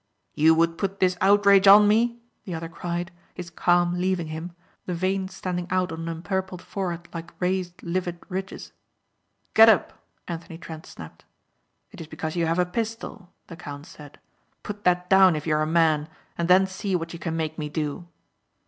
"You would put this outrage on me?" the other cried, his calm leaving him, the veins standing out on an empurpled forehead like raised livid ridges. "Get up!" Anthony Trent snapped. "It is because you have a pistol," the count said. "Put that down if you are a man and then see what you can make me do."